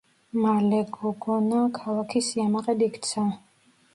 მალე გოგონა ქალაქის სიამაყედ იქცა.